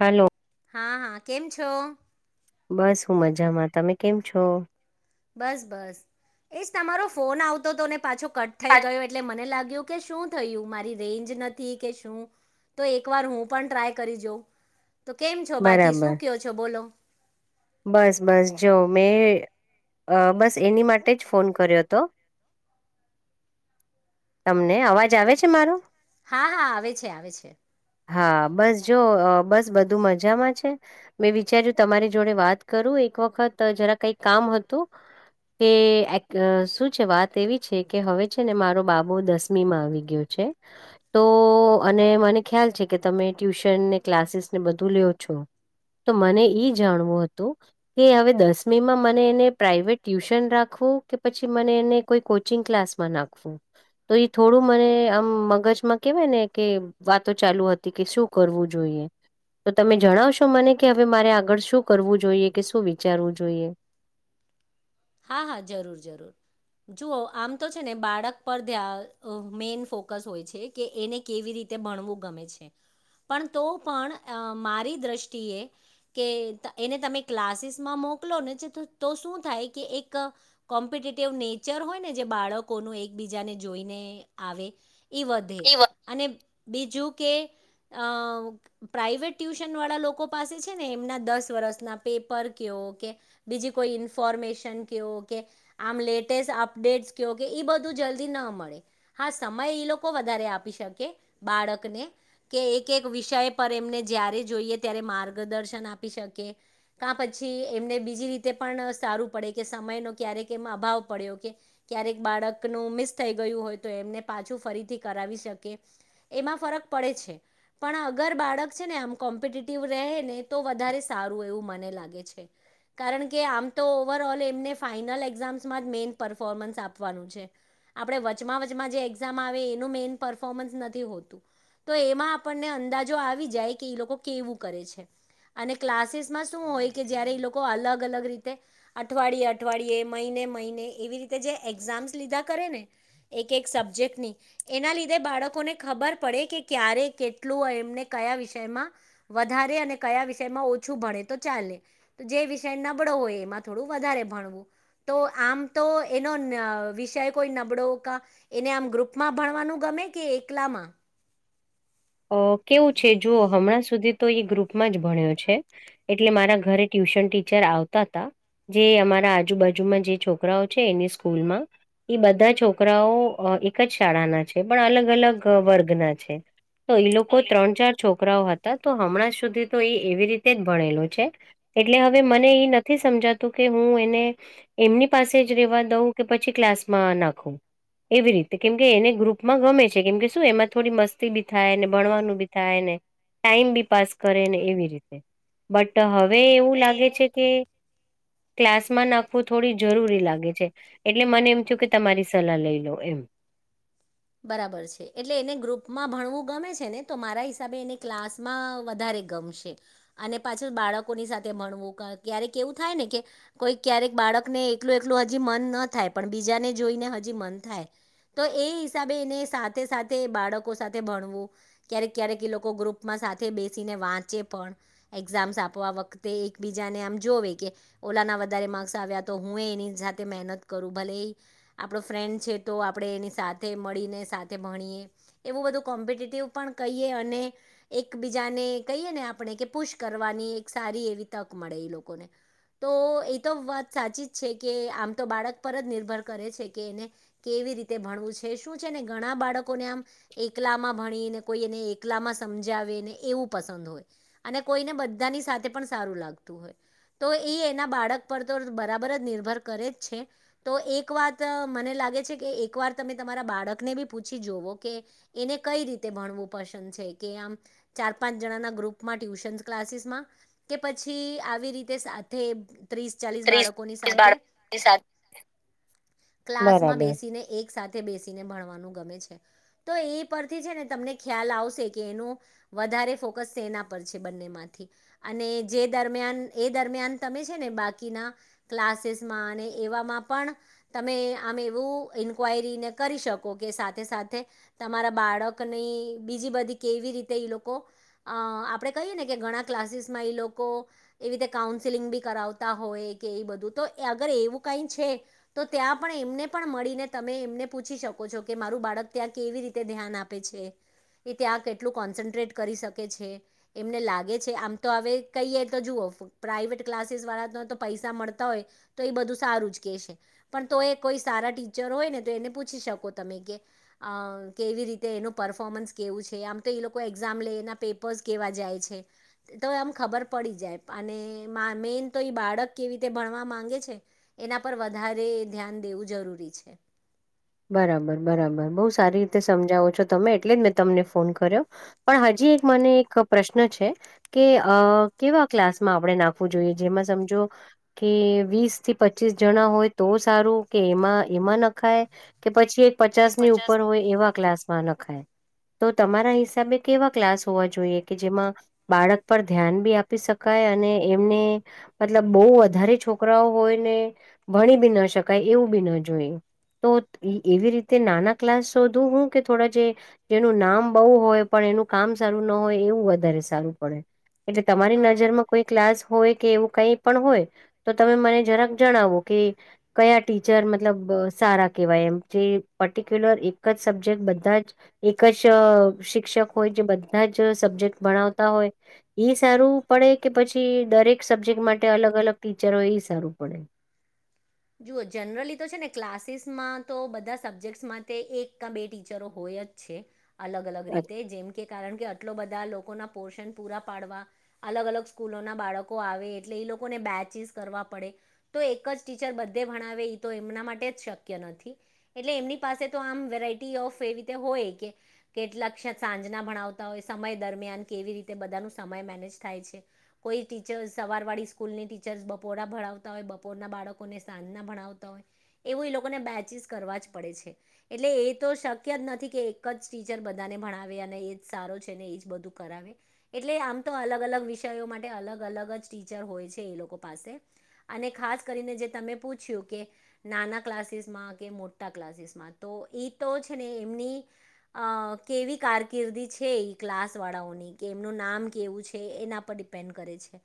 Hello. હા હા કેમ છો. બસ હું મજામાં તમે કેમ છો. બસ બસ એજ તમારો ફોન આવતો હતો ને પાછો કટ થઈ ગયો એટલે મને લાગે. કે શું થયું મારી રેન્જ નથી કે શું. તો એક વાર હું પણ ટ્રાય કરી જાઉં તો કેમ છો બાકી શું બરાબર કયો છો બોલો. બસ બસ જો મેં બસ એની માટે જ ફોન કર્યો હતો. [unintelligible] તમને અવાજ આવે છે મારો. હા હા આવે છે આવે છે. હા બસ જો અ બસ બધું મજામાં છે, મેં વિચાર્યું તમારે જોડે વાત કરું એક વખત જરા કઈ કામ હતું. કે શું છે, વાત એવી છે, કે હવે છે, ને મારો બાબુ દસમી માં આવી ગયો છે. તો અને મને ખ્યાલ છે, કે તમે ટ્યુશન ને ક્લાસીસ ને બધું લયો છો. તો મને ઈ જાણવું હતું કે હવે દસમીમાં મને એને પ્રાઈવેટ ટ્યુશન રાખવું કે પછી મને કોચિંગ ક્લાસમાં નાખું તો એ થોડું મને આમ મગજમાં કેવાય ને કે વાતો ચાલુ હતી કે શું કરવું જોઈએ તો તમે જણાવશો મને કે હવે મારે આગળ શું કરવું જોઈએ કે શું વિચારવું જોઈએ? હા હા જરૂર જરૂર જુઓ આમ તો છે, ને બાળક પર ધયા મેઈન ફોકસ હોય છે, કે એને કેવી રી તે ભણવું ગમે છે. પણ તો પણ અ મારી દ્રષ્ટિએ કે એને તમે ક્લાસીસ માં મો મોકલો ને તો શું થાય. એક કોમ્પિટિવ નેચર હોય ને જે બાળકોનું એકબીજાને જોઈને આવે. એ વધે એ અને બીજું કે અ પ્રાઈવેટ ટ્યુશન વાળા લોકો પાસે છે ને એમના દસ પ્લસ ન પેપર કહી પછી કે બીજી કોઈ ઇફોર્મેન. કેવ કે આમ લેટેસ્ટ અપડેટ કેવ કે એ બધું જલ્દી ન મળે હા સમય. એ લોકો વધારે આપી શકે બાળકને કે એક એક વિષય પર એમને જ્યારે જોઈ. ત્યારે માર્ગદર્શન આપી શકે કા પછી એમને બીજી રીતે પણ સારું પડે કે સમય નો ક્યારેક એમ અભાવ પડ્યો કે ક્યારેક બાળકનું મિસ થઈ ગયું હોય તો એમને પાછું ફરીથી કરાવી શકે એમાં ફરક પડે છે, પણ અગર બાળક છે, ને આમ કોમ્પિ ટીવ રેહે ને તો વધારે સારું એવું મને લાગે છે, કારણ કે આમ તો ઓવરલ ને ફાયનલ એકઝામસ મેન પરફોર્મન્સ આપવાનું છે, આપડે વચમાં વચમાં જે એઝામ આ વે એનુ મેન પરફોર્મન્સ નથી હોતું. તો એમાં આપણને અંદાજો આવી જાય કે ઈ લોકો કેવું કરે છે. અને ક્લાસીસમાં શું હોય કે જયારે એ લોકો અલગ અલગ રીતે આ અઠવાડિયે અઠવાડિયે મહિને મહિને એવી રીતે જે એક્ઝામ્સ લીધા કરે ને એક એક સબ્જેક્ટ ની એના લીધે બાળકોને ખબર પડે કે ક્યારે કેટલું એમને કયા વિષયમાં વધારે અને કયા વિષયમાં ઓછું ભણે તો ચાલે તો જે વિષય નબળો હોય એમાં થોડુ વધારે ભણવું તો આમ તો એનો વિષય કોઈ નબળો કા ને આમ ગ્રુપમાં ભણવાનું ગમે કે એકલામાં? અ કેવું છે, જુઓ હમણાં સુધી તો એ ગ્રુપમાં જ ભણ્યો છે, એટલે મારા ઘરે ટયુ ટ્યુશન ટીચર આવતા હતા જે અમારા આજુબાજુમાં જે છોકરાઓ છે, એની સ્કૂલમાં એ બધા છોકરાઓ અ એક જ શાળાના છે, પણ અલગ અલગ વર્ગના છે. તો એ લોકો ત્રણ ચાર છો છોરાઓ હતા તો હમણાં સુધી તો એ એવી રીતે જ ભણેલો છે, એટલે હવે મને એ નથી સમ જાતુ કે હું એને એમની પાસે જ રેવા દઉં કે પછી ક્લાસમાં નાખું? એવી રીતે કેમ કે એને ગ્રુપમાં ગમે છે, કેમ કે શું એમાં થોડી મસ્તી બી થાય ને ભણવાનું બી થાય ને ટાઈમ બી પાસ કરેને એવી રીતે બટ હ હવે એવું લાગે છે, કે ક્લાસમાં નાખવું થોડી જરૂરી લાગે છે, એટલે મને એમ થયું કે તમારી સલાહ લઈ લો એમ બરાબર છે, એટલે એને ગ્રુપમાં ભણવું ગમે છે, ને તો મારા હિસાબે એને ક્લાસમાં વધારે ગમશે અને પાછુ બાળકોની સાથે ભણવું કા ક્યારેક એવું થાય ને કે કોઈ ક્યારેક બાળકને એકલું એકલું હજી મન ન થાય પણ બીજાને જોઈને હજી મન થાય તો એ હિસાબે એને સાથે સાથે બાળકો સાથે ભણવું ક્યારેક ક્યારેક એ લોકો ગ્રુપમાં સાથે બેસીને વાચે પણ એકઝામ આપવા વખતે એક બીજાને આમ જોવે કે ઓલાના વધારે માકર્સ આવ્યા તો હું એની સાથે મહેનત કરું ભલે એ આપણો ફ્રેન્ડ છે, તો આપણે એની સા મળીને સાથે ભણીએ એવું બધું કોમ્પિટેટિવ પણ કહીએ અને એકબીજાને. કહીએ ને આપણે કે પુશ કરવાની એક સારી એવી તક મળે એ લોકોને. તો એ તો વાત સાચી જ છે કે આમ તો બાળક પર જ નિર્ભર કરે છે કે એને કે. વી રીતે ભણવું છે. છે શું છે ને ઘણા બાળકોને આમ એકલામાં ભણી ને કોઈ એને એકલામાં સમજાવે ને એવું. પસંદ હોય અને કોઈને બધાની સાથે પણ સારું લાગતું હોય. તો એ એના બાળક પર તો બરાબર જ નિર્ભર કરે જ છે તો એક વાત મને લાગે. લાગે છે કે એકવાર તમે‌. તમારા બાળકને બી પૂછી જોવો કે એને કઈ રીતે ભણવું પસંદ છે કે આમ ચાર. પાંચ જણાના ગ્રુપમાં ટ્યુશન ક્લાસીસ માં કે પછી આવી રીતે સાથે. ત્રીસ ચાલીસ ત્રીસ બાળકોની ત્રીસ સાથે બાળકોની સાથે ક્લાસમાં બરાબર બેસીને એક. સાથે બેસીને ભણવાનું ગમે છે તો એ પરથી છે ને તમને ખ્યાલ આવશે કે એનું. વધારે ફોકસ તેના પર છે બંનેમાંથી અને જે દરમિયાન એ દરમિયાન તમે છે ને બા. કીના ક્લાસીસમાં અને એવામાં પણ તમે આમ એવું ઇન્કવાયરીને કરી શકો કે સાથે સાથે તમારા બાળકની બીજી બધી કેવી રીતે ઈ લોકો અ આપડે કહીએ ને કે ઘણા ક્લાસીસમાં એ લોકો એવી રીતે કાઉન્સેલિંગ બી કરાવતા હો ય કે એ બધું તો અગર એવું કઇ છે, તો ત્યાં પણ એમને પણ મળીને તમે એમને પૂછી શકો છો કે મારું બાળક ત્યાં કેવી રીતે ધ્યાન આપે છે. એ ત્યાં કેટલું કોન્સન્ટ્રેટ કરી શકે છે, એમને લાગે છે, આમ તો હવે કહીએ તો જુઓ પ્રાઇવેટ ક્લાસીસ વાળા પૈસા મળતા હોય તો એ બધું સારું જ કે સે પણ તો એક કોઈ સારા ટીચર હોય ને તો એને પૂછ છી શકો તમે કે અ કેવી રીતે એનું પરફોર્મન્સ કેવું છે આમ તો એ લોકો એક્ઝામ લઈ. ના પેપર્સ કેહેવા જાય છે તો એમ ખબર પડી જાય અને મા મેન તો એ બાળક ના. કેવી રીતે ભણવા માંગે છે એના પર વધારે ધ્યાન દેવું જરૂરી છે. બરાબર બરાબર બહુ સારી રીતે સમજાવો છો તમે એટલે જ મેં તમને ફોન કર્યો પણ હજી એક. મને એક પ્રશ્ન છે કે કેવા ક્લાસમાં આપણે નાખવું જોઈએ જેમાં સમજો. કે વીસ થી પચીસ જણા હોય તો સારું કે એમાં એમાં નખાય. કે પછી એક પચાસ ની ઉપર હોય એવા ક્લાસમાં નખાય. તો તમારા હિસાબે કેવા ક્લાસ હોવા જોઈએ કે જેમાં બાળક પર ધ્યાન બી આપી શકાય. અને એમને મતલબ બહુ વધારે છોકરાઓ હોયને ભણી બી ન શકાય એવું. બી ન જોઈ તો. એવી રીતે નાના ક્લાસ શોધું હું કે થોડા જે જેનું નામ બઉુ હોય પણ એનું કામ. સારું ન હોય એવું વધારે સારું પડે એટલે તમારી અ નજરમાં કોઈ ક્લાસ. હોય કે એવું કઈ પણ હોય તો તમે મને જરાક જણાવો કે કયા ટીચર મતલબ. સારા. કેવાય એમ જે પર્ટિક્યુલર એક જ સબ્જેક્ટ બધા જ એક જ શિક્ષક હોય. જે બધા જ સબ્જેક્ટ ભણાવતા હોય એ સારું પડે કે પછી દરેક સબ્જેક્ટ મા ટે અલગ અલગ ટીચરો એ સારું પડે. [inaudible] જુઓ જનરલી તો છે ને ક્લાસીસમાં તો બધા સબ્જેક્ટસમાં એક કા બે ટીચરો હોય. ય જ છે અલગ અલગ રીતે જેમ કે કારણ કે. બધા લોકો ના પોર્શન પૂરા પાડવા અલગ અલગ સ્કૂલો ના બાળકો આવે એટલે એ લોકોને બે ચીસ કરવા પડે તો એક જ‌ ટી ચર બધે ભણાવે એ તો એમના માટે જ શક્ય નથી એટલે એમની પાસે તો આમ વેરાયટી ઓફ. હોય કે કેટલા ક સાંજના ભણાવતા હોય સમય દરમિયાન કેવી રીતે બધા નો સમય મે. નેજ થાય છે કોઈ ટીચર સવાર વાળી સ્કૂલની ટીચર બપોરા ભણાવતા હોય બપોરના બાળકો. ને સાજના ભણાવતા હોય એવું એ લોકોને બેચીસ કરવા જ પડે છે એટલે એ તો શક્ય. નથી કે એક જ ટીચર બધાને ભણાવે અને એ સારો છે ને એજ બધું કરાવે એટલે આમ તો. અલગ અલગ વિષયો માટે અલગ અલગ જ ટીચર હોય છે એ લોકો પાસે અને ખાસ કરીને જે. તમે પૂછ્યું કે નાના ક્લાસીસમાં કે મોટા ક્લાસીસમાં તો એ તો છે ને એ ની અ કેવી કારકિર્દી છે ઈ ક્લાસ વાળાઓની કે એમનું નામ કેવું છે. એના પર ડિપેન્ડ કરે છે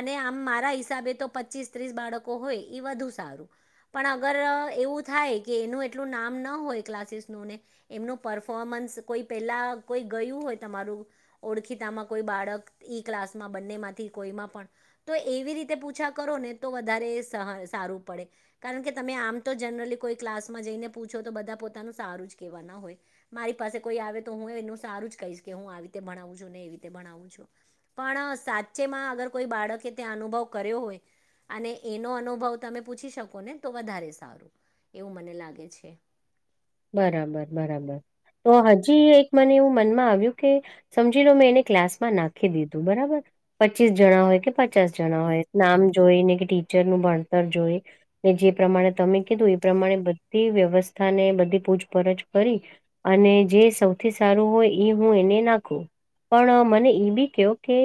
અને આમ મારા હિસાબે તો પચીસ ત્રીસ બાળકો હોય. એ વધુ સારું પણ અગર એવું થાય કે એનું એટલું નામ ન હોય ક્લાસીસનું ને. એમનું પરફોમન્સ કોઈ પહેલા કોઈ ગયું હોય તમારું ઓળખીતામાં કોઈ બાળક ઈ ક્લાસમાં બંને માંથી કોઈ પણ તો એવી રીતે પૂછા કરો ને તો વધારે સારું પડે કારણ કે તમે આમ તો જનરલી કોઈ ક્લાસમાં જઈને પૂછો તો બધા પોતાનું સારું છે કેવા ના હોય મારી પાસે કોઈ આવે તો હું એ સારું જ કહીશ કે હું આવી રીતે ભણાવું છું ને એવી રીતે ભણાવું છું. પણ સાચેમાં અગર કોઈ બાળકે ત્યાં અનુભવ કર્યો હોય અને એનો અનુભવ તમે પૂછી શકો ને તો વધારે સારું એવું મને લાગે છે. બરાબર બરાબર. તો હજી એક મને એવું મનમાં આવ્યું કે સમજી લો મેં એને ક્લાસમાં નાખી દીધું બરાબર. પચીસ જણા હોય કે પચાસ જણા હોય નામ જોઈ ને કે ટીચરનું ભણતર જોઈ જે પ્રમાણે તમે કીધું એ પ્રમાણે બધી વ્યવસ્થા ને બધી પૂછપરછ કરી અને જે સૌથી સારું હોય હું એને નાખું. પણ મને એ બી કયો કે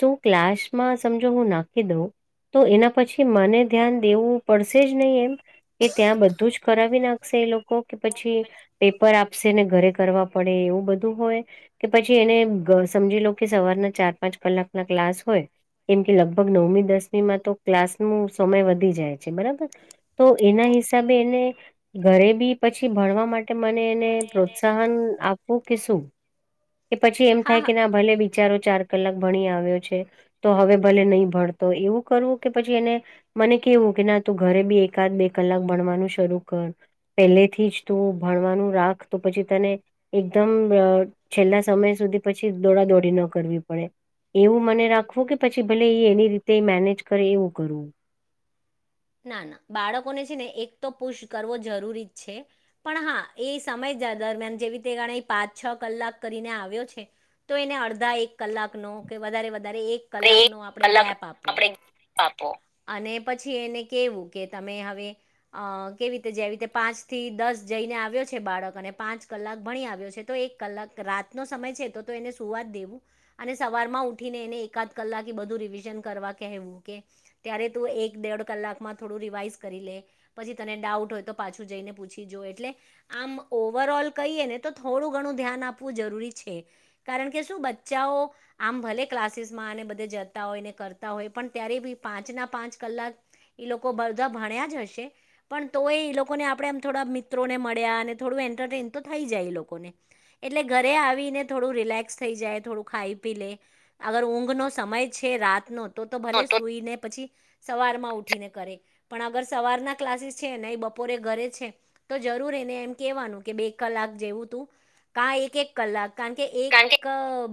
શું ક્લાસમાં સમજો હું નાખી દઉં તો એના પછી મને ધ્યાન દેવું પડશે જ નહીં એમ કે ત્યાં બધું જ કરાવી નાખશે. એ લોકો કે પછી પેપર આપશે ને ઘરે કરવા પડે એવું બધું હોય કે પછી એને સમજી લો કે સવારના ચાર પાંચ કલાક ના ક્લાસ હોય કેમ કે લગભગ નવમી દસમીમાં તો ક્લાસ નો સમય વધી જાય છે બરાબર. તો એના હિસાબે એને ઘરે બી પછી ભણવા માટે મને એને પ્રોત્સાહન આપવું કે શું? કે પછી એમ હા થાય કે હા ના ભલે બિચારો ચાર કલાક ભણી આવ્યો છે તો હવે ભલે નહીં ભણતો એવું કરવું કે પછી એને મને કેવું કે ના તું ઘરે બી એકાદ બે કલાક ભણવાનું શરૂ કર. પહેલે થી જ તું ભણવાનું રાખ તો પછી તને એકદમ છેલ્લા સમય સુધી પછી દોડા દોડી ન કરવી પડે. એવું મને રાખવું કે પછી ભલે એ એની રીતે મેનેજ કરે એવું કરવું. [inaudible] ના ના બાળકોને છે ને એક તો પુશ કરવો જરૂરી જ છે પણ હા એ સમય દરમિયાન જે રીતે ગણે પાંચ છ કલાક કરીને આવ્યો છે તો એને અડધા એક કલાક નો કે વધારે વધારે એક કલાક અને નો આપણે કલાક ગેપ આપવો આપણે આપો અને પછી એને કેવું કે તમે હવે અ કેવી રીતે જેવી રીતે પાંચ થી દસ જઈને આવ્યો છે બાળક અને પાંચ કલાક ભણી આવ્યો છે તો એક કલાક રાતનો સમય છે તો એને સુવા જ દેવું અને સવાર માં ઉઠીને એને એકાદ કલાક બધું રિવિઝન કરવા કેવું કે ત્યારે તું એક દેડ કલાક થોડું રિવાઈસ કરી લે પછી તને ડાઉટ હોય તો પાછું જઈને પૂછી એટલે આમ ઓવર ઓલ કહીએને તો થોડું ઘણું ધ્યાન આપવું જરૂરી છે કારણ કે શું બચ્ચાઓ આમ ભલે ક્લાસીસમાં બધ જતા હોય ને કરતા હોય પણ ત્યારે બી પાંચ ના પાંચ કલાક એ લોકો બધા ભણ્યા જ હશે પણ તોય એ લોકોને આપણે એમ થોડા મિત્રો ને મળ્યા અને થોડું એ ન્ટટેન તો થઈ જાય લોકોને એટલે ઘરે આવીને થોડું રિલેક્સ થઈ જાય થોડું ખાઈ પી લે અગર ઊંઘ નો સમય છે રાતનો તો તો ભલે સુઈને પછી સવાર માં ઉઠીને પણ અગર સવારના ક્લાસીસ છેને બપોરે ઘરે છે તો જરૂર એને એમ કેવાનું કે બે કલાક જેવું તું કા એક એક કલાક કારણ કે એક કારણ કે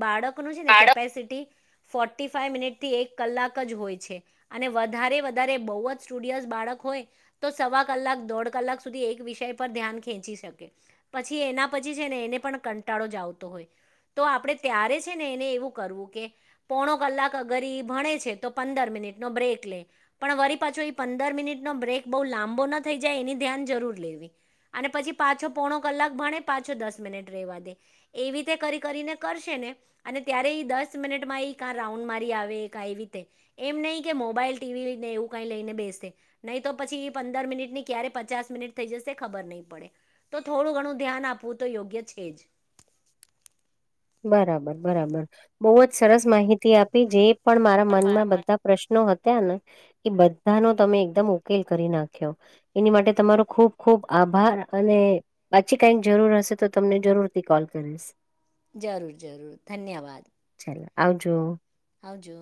બાળકનું છે ને બાળક કેપેસિટી ફોર્ટી ફાઈવ મિનિટથી એક કલાક જ હોય છે અને વધારે વધારે બહુ સ્ટુડયસ બાળક હોય તો સવા કલાક દોઢ કલાક સુધી એક વિષય પર ધ્યાન ખેંચી શકે. પછી એના પછી છે ને એને પણ કંટાળો જ આવતો હોય. તો આપણેે ત્યારે છે ને એને એવું કરવું કે પોણો કલાક અગર ભણે છે તો પંદર મિ નિટનો બ્રેક લે પણ વરી પાછો પંદર મિનિટનો બ્રેક બહુ લાંબો ના થઈ જાય એની ધ્યાન જરૂર લેવી અને પછી પાછો પોણો કલા ક ભણે પાછો દસ મિનિટ રેવા દે એવી રીતે કરી કરીને કરશે ને અને ત્યારે એ દસ મિનિટમાં ઈ કા રાઉન્ડ મારી આવે એ રીતે એમ નહી કે મોબાઈલ ટીવીને એવું કઈ લઈને બેસ નહી તો પછી એ પંદર મિનિટની ક્યારે પચાસ મિનિટ થઈ જશે ખબર નહીં પડે તો થોડું ઘણું. ધ્યાન આપવું તો યોગ્ય છે જ. બરાબર બરાબર બહુ જ સરસ માહિતી આપી જે પણ મારા મનમાં બધા પ્રશ્નો હતા તને એ બધા ન તમે એકદમ ઉકેલ કરી નાખ્યો એની માટે તમારો ખુબ ખૂબ આભાર અને પાછી કઈક જરૂર હશે તો તમને જરૂરથી કોલ કરીશ. જરૂર જરૂર ધન્યવાદ. આવ જો. આવજો.